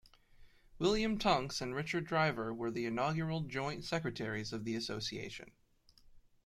William Tunks and Richard Driver were the inaugural joint secretaries of the association.